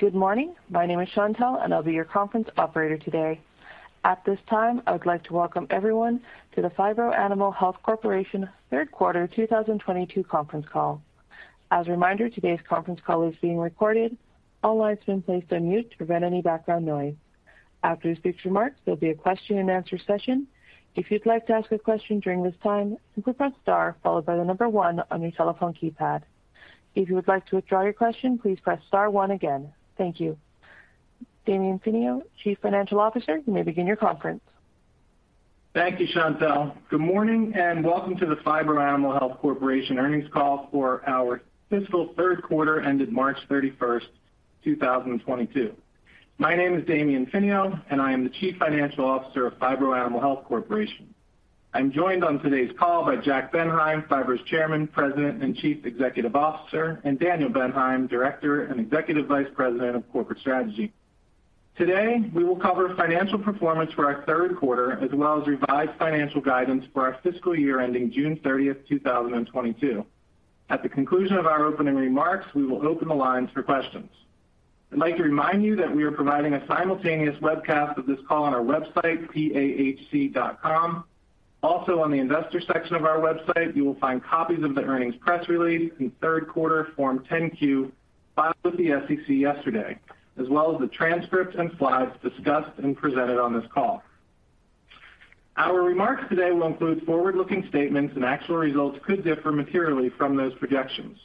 Good morning. My name is Chantelle, and I'll be your conference operator today. At this time, I would like to welcome everyone to the Phibro Animal Health Corporation third quarter 2022 conference call. As a reminder, today's conference call is being recorded. All lines have been placed on mute to prevent any background noise. After the speaker's remarks, there'll be a question-and-answer session. If you'd like to ask a question during this time, simply press star followed by the number one on your telephone keypad. If you would like to withdraw your question, please press star one again. Thank you. Damian Finio, Chief Financial Officer, you may begin your conference. Thank you, Chantelle. Good morning and welcome to the Phibro Animal Health Corporation earnings call for our fiscal third quarter ended March 31, 2022. My name is Damian Finio, and I am the Chief Financial Officer of Phibro Animal Health Corporation. I'm joined on today's call by Jack Bendheim, Phibro's Chairman, President, and Chief Executive Officer, and Daniel Bendheim, Director and Executive Vice President of Corporate Strategy. Today, we will cover financial performance for our third quarter as well as revised financial guidance for our fiscal year ending June 30, 2022. At the conclusion of our opening remarks, we will open the lines for questions. I'd like to remind you that we are providing a simultaneous webcast of this call on our website, pahc.com. Also, on the investor section of our website, you will find copies of the earnings press release and third quarter Form 10-Q filed with the SEC yesterday, as well as the transcript and slides discussed and presented on this call. Our remarks today will include forward-looking statements and actual results could differ materially from those projections.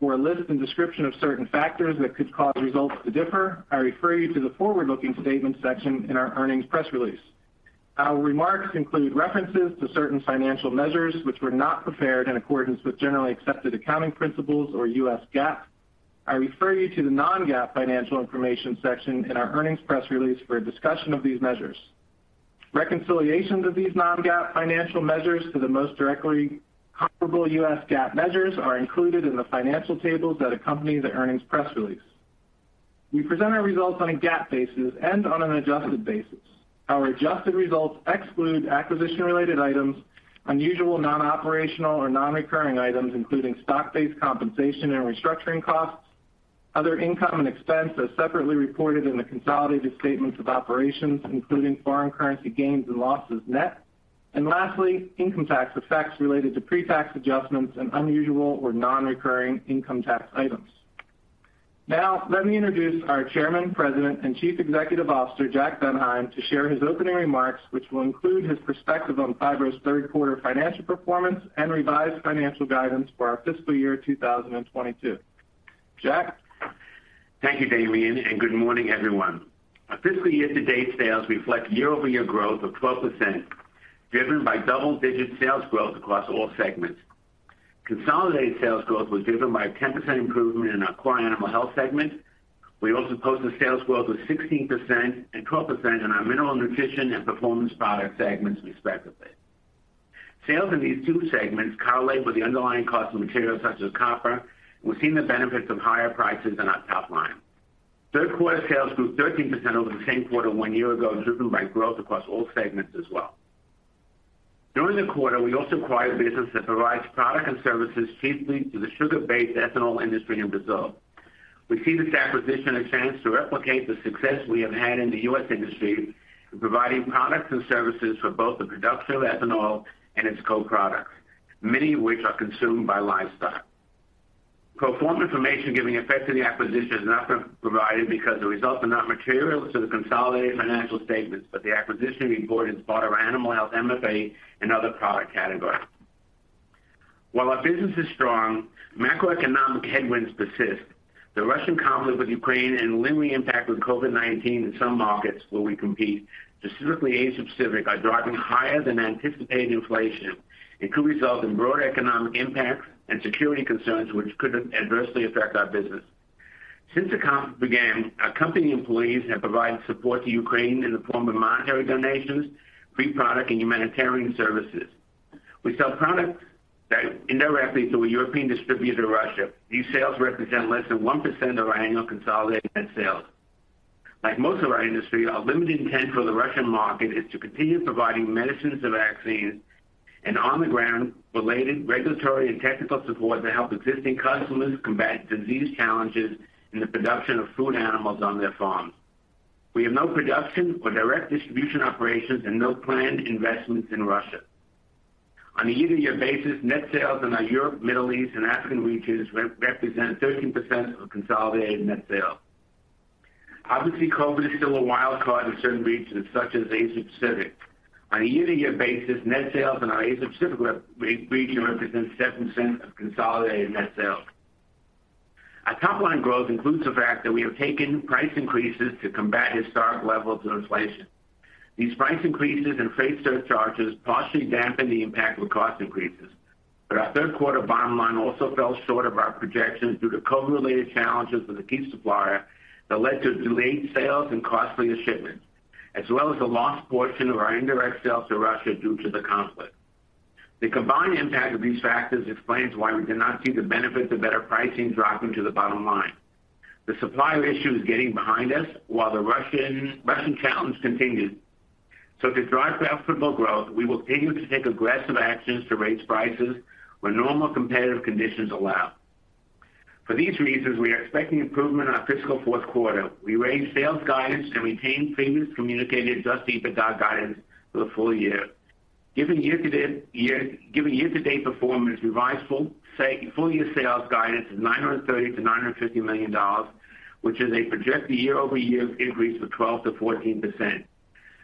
For a list and description of certain factors that could cause results to differ, I refer you to the forward-looking statements section in our earnings press release. Our remarks include references to certain financial measures which were not prepared in accordance with generally accepted accounting principles or US GAAP. I refer you to the non-GAAP financial information section in our earnings press release for a discussion of these measures. Reconciliations of these non-GAAP financial measures to the most directly comparable US GAAP measures are included in the financial tables that accompany the earnings press release. We present our results on a GAAP basis and on an adjusted basis. Our adjusted results exclude acquisition-related items, unusual non-operational or non-recurring items, including stock-based compensation and restructuring costs. Other income and expense are separately reported in the consolidated statements of operations, including foreign currency gains and losses net, and lastly, income tax effects related to pre-tax adjustments and unusual or non-recurring income tax items. Now, let me introduce our Chairman, President, and Chief Executive Officer, Jack Bendheim, to share his opening remarks, which will include his perspective on Phibro's third quarter financial performance and revised financial guidance for our fiscal year 2022. Jack. Thank you, Damian, and good morning, everyone. Our fiscal year-to-date sales reflect year-over-year growth of 12%, driven by double-digit sales growth across all segments. Consolidated sales growth was driven by a 10% improvement in our core Animal Health segment. We also posted sales growth of 16% and 12% in our Mineral Nutrition and Performance Products segments, respectively. Sales in these two segments correlate with the underlying cost of materials such as copper, and we're seeing the benefits of higher prices in our top line. Third quarter sales grew 13% over the same quarter one year ago, driven by growth across all segments as well. During the quarter, we also acquired a business that provides products and services chiefly to the sugar-based ethanol industry in Brazil. We see this acquisition as a chance to replicate the success we have had in the U.S. industry in providing products and services for both the production of ethanol and its co-products, many of which are consumed by livestock. Pro forma information giving effect to the acquisition is not provided because the results are not material to the consolidated financial statements, but the acquisition is an important part of Animal Health MFAs and other product categories. While our business is strong, macroeconomic headwinds persist. The Russian conflict with Ukraine and lingering impact with COVID-19 in some markets where we compete, specifically Asia-Pacific, are driving higher than anticipated inflation. It could result in broad economic impact and security concerns which could adversely affect our business. Since the conflict began, our company employees have provided support to Ukraine in the form of monetary donations, free product, and humanitarian services. We sell products that indirectly through a European distributor to Russia. These sales represent less than 1% of our annual consolidated net sales. Like most of our industry, our limited intent for the Russian market is to continue providing medicines and vaccines and on-the-ground related regulatory and technical support to help existing customers combat disease challenges in the production of food animals on their farms. We have no production or direct distribution operations and no planned investments in Russia. On a year-to-year basis, net sales in our Europe, Middle East, and African regions represent 13% of consolidated net sales. Obviously, COVID-19 is still a wild card in certain regions, such as Asia-Pacific. On a year-to-year basis, net sales in our Asia-Pacific region represents 7% of consolidated net sales. Our top-line growth includes the fact that we have taken price increases to combat historic levels of inflation. These price increases and freight surcharges partially dampen the impact of cost increases. Our third quarter bottom line also fell short of our projections due to COVID-19-related challenges with a key supplier that led to delayed sales and costlier shipments, as well as a lost portion of our indirect sales to Russia due to the conflict. The combined impact of these factors explains why we did not see the benefits of better pricing dropping to the bottom line. The supplier issue is getting behind us, while the Russian challenge continues. To drive profitable growth, we will continue to take aggressive actions to raise prices when normal competitive conditions allow. For these reasons, we are expecting improvement in our fiscal fourth quarter. We raised sales guidance and retain previous communicated adjusted EBITDA guidance for the full year. Given year-to-date performance, revised full-year sales guidance of $930 million-$950 million, which is a projected year-over-year increase of 12%-14%.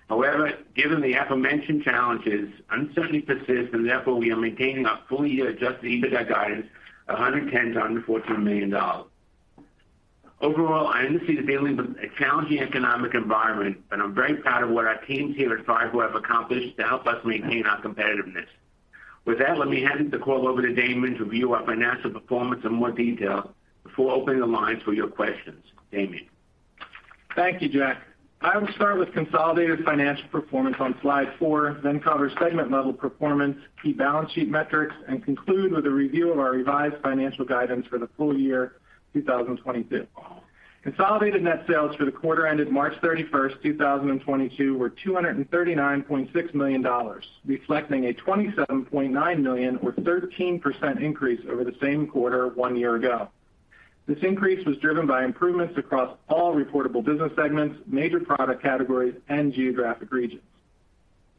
However, given the aforementioned challenges, uncertainty persists, and therefore we are maintaining our full-year adjusted EBITDA guidance of $110 million-$114 million. Overall, I understand we're dealing with a challenging economic environment, and I'm very proud of what our teams here at Phibro have accomplished to help us maintain our competitiveness. With that, let me hand the call over to Damian to review our financial performance in more detail before opening the lines for your questions. Damian. Thank you, Jack. I will start with consolidated financial performance on slide four, then cover segment-level performance, key balance sheet metrics, and conclude with a review of our revised financial guidance for the full year 2022. Consolidated net sales for the quarter ended March 31, 2022 were $239.6 million, reflecting a $27.9 million or 13% increase over the same quarter one year ago. This increase was driven by improvements across all reportable business segments, major product categories, and geographic regions.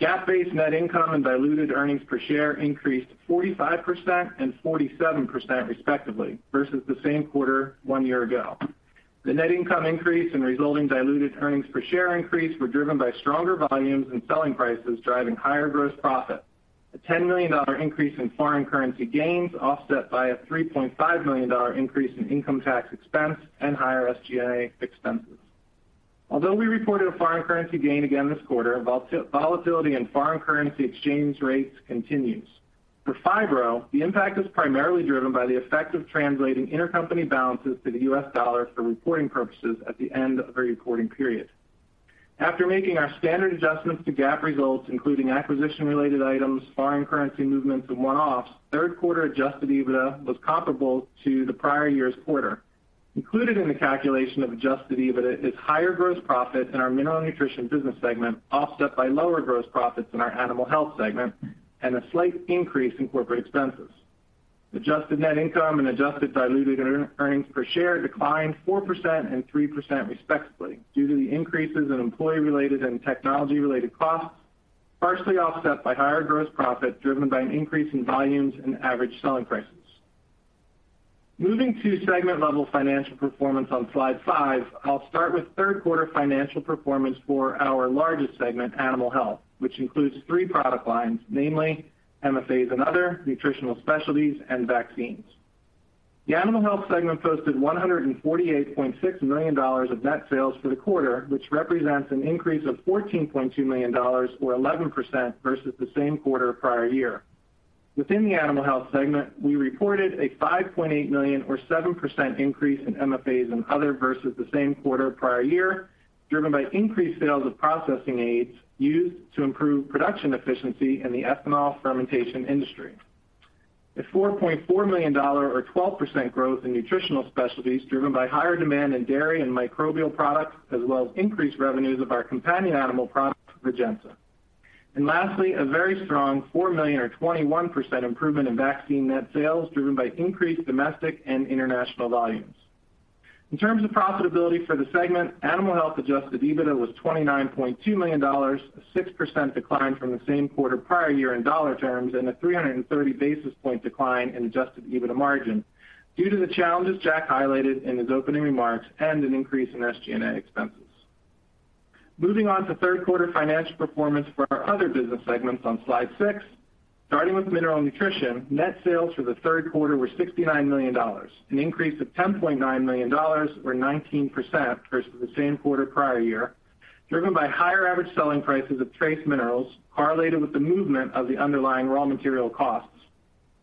GAAP-based net income and diluted earnings per share increased 45% and 47%, respectively, versus the same quarter one year ago. The net income increase and resulting diluted earnings per share increase were driven by stronger volumes and selling prices, driving higher gross profit. A $10 million increase in foreign currency gains, offset by a $3.5 million increase in income tax expense and higher SG&A expenses. Although we reported a foreign currency gain again this quarter, volatility in foreign currency exchange rates continues. For Phibro, the impact is primarily driven by the effect of translating intercompany balances to the US dollar for reporting purposes at the end of a reporting period. After making our standard adjustments to GAAP results, including acquisition-related items, foreign currency movements, and one-offs, third quarter adjusted EBITDA was comparable to the prior year's quarter. Included in the calculation of adjusted EBITDA is higher gross profits in our Mineral Nutrition business segment, offset by lower gross profits in our Animal Health segment and a slight increase in corporate expenses. Adjusted net income and adjusted diluted earnings per share declined 4% and 3%, respectively, due to the increases in employee-related and technology-related costs, partially offset by higher gross profit driven by an increase in volumes and average selling prices. Moving to segment-level financial performance on slide five, I'll start with third quarter financial performance for our largest segment, Animal Health, which includes three product lines, namely MFAs and other, Nutritional Specialties, and Vaccines. The Animal Health segment posted $148.6 million of net sales for the quarter, which represents an increase of $14.2 million or 11% versus the same quarter prior year. Within the Animal Health segment, we reported a $5.8 million or 7% increase in MFAs and other versus the same quarter prior year, driven by increased sales of processing aids used to improve production efficiency in the ethanol fermentation industry. A $4.4 million or 12% growth in Nutritional Specialties, driven by higher demand in dairy and microbial products, as well as increased revenues of our companion animal product, Rejensa. Lastly, a very strong $4 million or 21% improvement in Vaccine net sales, driven by increased domestic and international volumes. In terms of profitability for the segment, Animal Health adjusted EBITDA was $29.2 million, a 6% decline from the same quarter prior year in dollar terms, and a 330 basis points decline in adjusted EBITDA margin due to the challenges Jack highlighted in his opening remarks and an increase in SG&A expenses. Moving on to third quarter financial performance for our other business segments on slide six. Starting with Mineral Nutrition, net sales for the third quarter were $69 million, an increase of $10.9 million or 19% versus the same quarter prior year, driven by higher average selling prices of trace minerals correlated with the movement of the underlying raw material costs.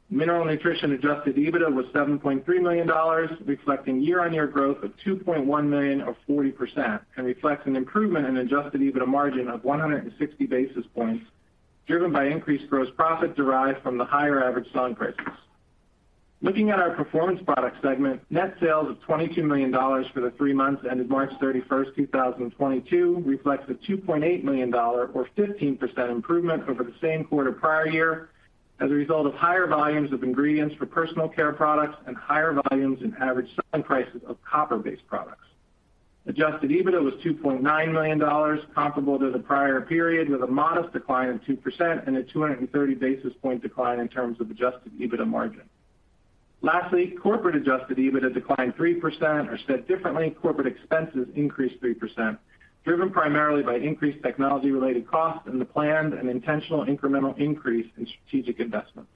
Mineral Nutrition adjusted EBITDA was $7.3 million, reflecting year-on-year growth of $2.1 million or 40%, and reflects an improvement in adjusted EBITDA margin of 160 basis points, driven by increased gross profit derived from the higher average selling prices. Looking at our Performance Products segment, net sales of $22 million for the three months ended March 31, 2022 reflects a $2.8 million or 15% improvement over the same quarter prior year as a result of higher volumes of ingredients for personal care products and higher volumes in average selling prices of copper-based products. Adjusted EBITDA was $2.9 million comparable to the prior period, with a modest decline of 2% and a 230 basis point decline in terms of adjusted EBITDA margin. Lastly, corporate adjusted EBITDA declined 3% or, said differently, corporate expenses increased 3%, driven primarily by increased technology-related costs and the planned and intentional incremental increase in strategic investments.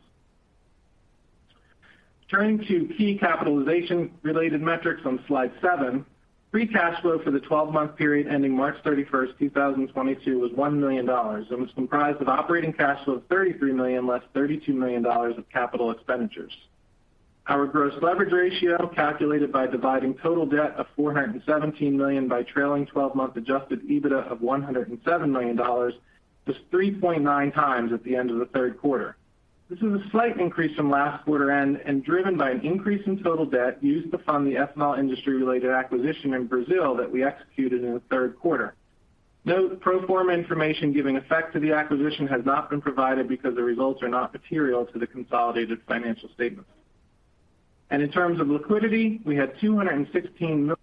Turning to key capitalization-related metrics on slide seven. Free cash flow for the twelve-month period ending March 31, 2022 was $1 million and was comprised of operating cash flow of $33 million, less $32 million of capital expenditures. Our gross leverage ratio, calculated by dividing total debt of $417 million by trailing twelve-month adjusted EBITDA of $107 million, was 3.9x at the end of the third quarter. This is a slight increase from last quarter and driven by an increase in total debt used to fund the ethanol industry-related acquisition in Brazil that we executed in the third quarter. Note, pro forma information giving effect to the acquisition has not been provided because the results are not material to the consolidated financial statements. In terms of liquidity, we had $216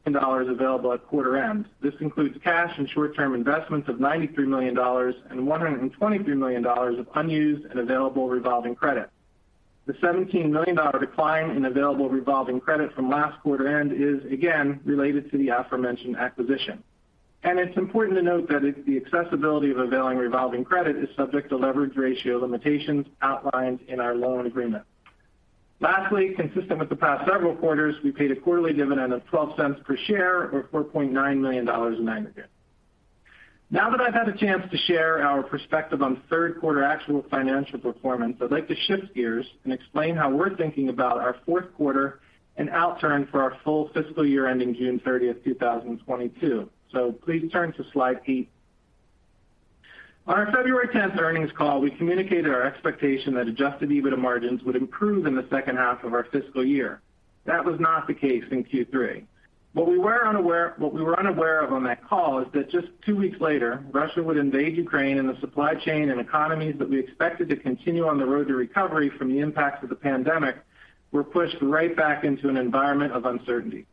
million available at quarter end. This includes cash and short-term investments of $93 million and $123 million of unused and available revolving credit. The $17 million decline in available revolving credit from last quarter end is again related to the aforementioned acquisition. It's important to note that the availability of revolving credit is subject to leverage ratio limitations outlined in our loan agreement. Lastly, consistent with the past several quarters, we paid a quarterly dividend of $0.12 per share or $4.9 million in aggregate. Now that I've had a chance to share our perspective on third quarter actual financial performance, I'd like to shift gears and explain how we're thinking about our fourth quarter and outturn for our full fiscal year ending June 30, 2022. Please turn to slide eight. On our February 10 earnings call, we communicated our expectation that adjusted EBITDA margins would improve in the second half of our fiscal year. That was not the case in Q3. What we were unaware of on that call is that just two weeks later, Russia would invade Ukraine and the supply chain and economies that we expected to continue on the road to recovery from the impacts of the pandemic were pushed right back into an environment of uncertainty.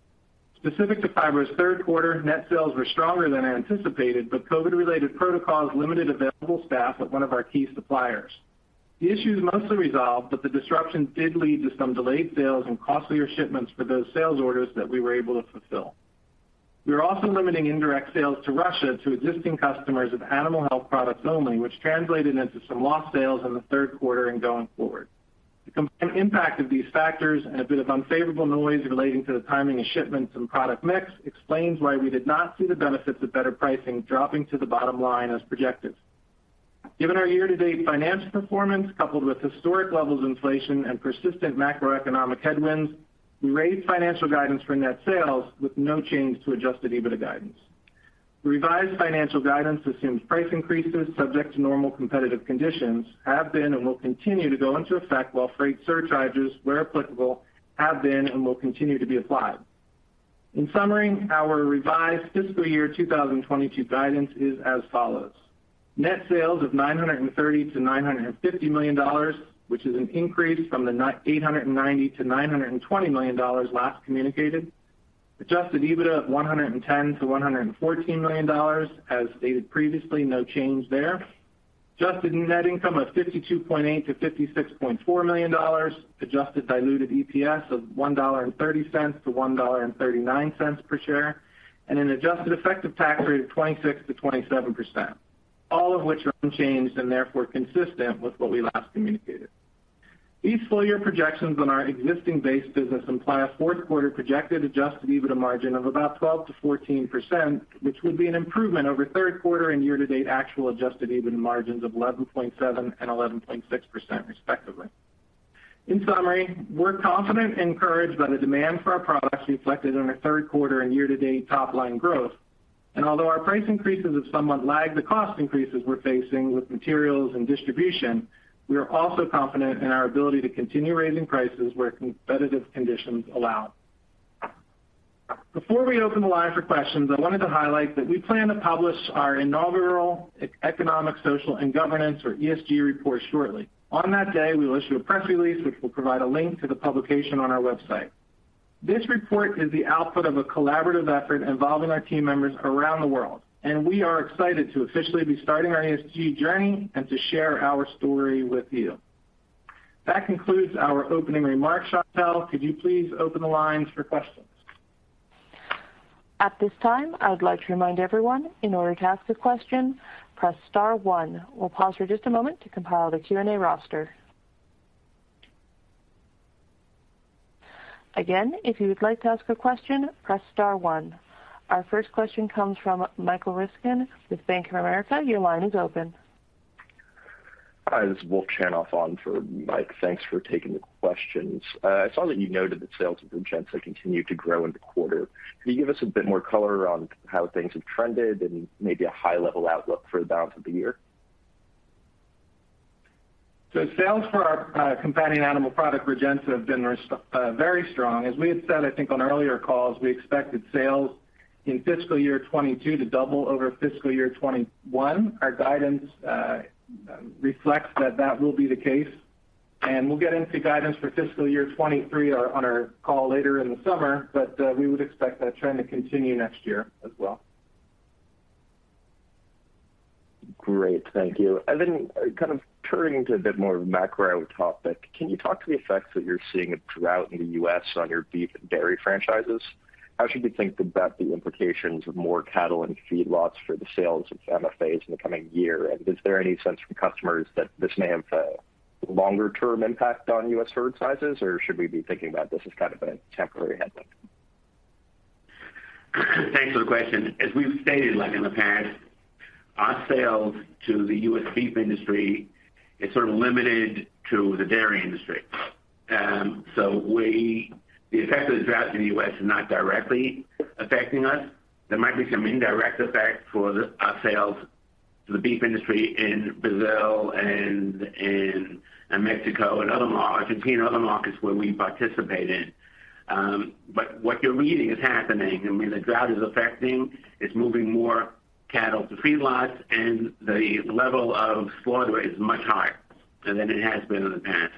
Specific to Phibro's third quarter, net sales were stronger than anticipated, but COVID-related protocols limited available staff at one of our key suppliers. The issue is mostly resolved, but the disruption did lead to some delayed sales and costlier shipments for those sales orders that we were able to fulfill. We are also limiting indirect sales to Russia to existing customers of animal health products only, which translated into some lost sales in the third quarter and going forward. The combined impact of these factors and a bit of unfavorable noise relating to the timing of shipments and product mix explains why we did not see the benefits of better pricing dropping to the bottom line as projected. Given our year-to-date financial performance, coupled with historic levels of inflation and persistent macroeconomic headwinds, we raised financial guidance for net sales with no change to adjusted EBITDA guidance. The revised financial guidance assumes price increases subject to normal competitive conditions have been and will continue to go into effect while freight surcharges, where applicable, have been and will continue to be applied. In summary, our revised fiscal year 2022 guidance is as follows. Net sales of $930 million-$950 million, which is an increase from the $890 million-$920 million last communicated. adjusted EBITDA of $110 million-$114 million. As stated previously, no change there. Adjusted net income of $52.8 million-$56.4 million. Adjusted diluted EPS of $1.30-$1.39 per share, and an adjusted effective tax rate of 26%-27%, all of which are unchanged and therefore consistent with what we last communicated. These full year projections on our existing base business imply a fourth quarter projected adjusted EBITDA margin of about 12%-14%, which would be an improvement over third quarter and year-to-date actual adjusted EBITDA margins of 11.7% and 11.6% respectively. In summary, we're confident and encouraged by the demand for our products reflected in our third quarter and year-to-date top line growth. Although our price increases have somewhat lagged the cost increases we're facing with materials and distribution, we are also confident in our ability to continue raising prices where competitive conditions allow. Before we open the line for questions, I wanted to highlight that we plan to publish our inaugural Economic, Social, and Governance or ESG report shortly. On that day, we will issue a press release which will provide a link to the publication on our website. This report is the output of a collaborative effort involving our team members around the world, and we are excited to officially be starting our ESG journey and to share our story with you. That concludes our opening remarks. Chantelle, could you please open the lines for questions? At this time, I would like to remind everyone, in order to ask a question, press star one. We'll pause for just a moment to compile the Q&A roster. Again, if you would like to ask a question, press star one. Our first question comes from Michael Ryskin with Bank of America. Your line is open. Hi, this is Wolf Chanoff on for Michael Ryskin. Thanks for taking the questions. I saw that you noted that sales of Rejensa continued to grow in the quarter. Can you give us a bit more color on how things have trended and maybe a high level outlook for the balance of the year? Sales for our companion animal product, Rejensa, have been very strong. As we had said, I think on earlier calls, we expected sales in fiscal year 2022 to double over fiscal year 2021. Our guidance reflects that that will be the case, and we'll get into guidance for fiscal year 2023 on our call later in the summer, but we would expect that trend to continue next year as well. Great. Thank you. Kind of turning to a bit more of a macro topic, can you talk to the effects that you're seeing of drought in the U.S. on your beef and dairy franchises? How should we think about the implications of more cattle in feedlots for the sales of MFAs in the coming year? Is there any sense from customers that this may have a longer-term impact on U.S. herd sizes, or should we be thinking about this as kind of a temporary headwind? Thanks for the question. As we've stated, like in the past, our sales to the U.S. beef industry is sort of limited to the dairy industry. The effect of the drought in the U.S. is not directly affecting us. There might be some indirect effect for our sales to the beef industry in Brazil and in Mexico, Argentina, and other markets where we participate in. But what you're reading is happening. I mean, the drought is affecting, it's moving more cattle to feedlots, and the level of slaughter is much higher than it has been in the past.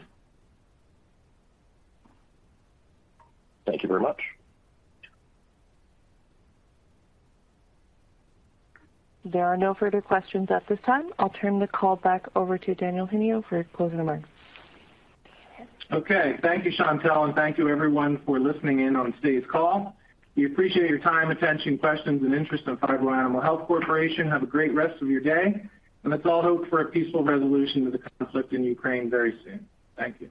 Thank you very much. There are no further questions at this time. I'll turn the call back over to Daniel Bendheim for closing remarks. Okay. Thank you, Chantelle, and thank you everyone for listening in on today's call. We appreciate your time, attention, questions, and interest in Phibro Animal Health Corporation. Have a great rest of your day, and let's all hope for a peaceful resolution to the conflict in Ukraine very soon. Thank you.